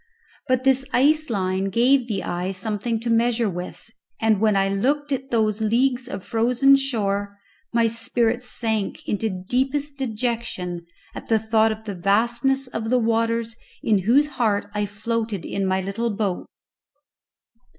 But this ice line gave the eye something to measure with, and when I looked at those leagues of frozen shore my spirits sank into deepest dejection at the thought of the vastness of the waters in whose heart I floated in my little boat.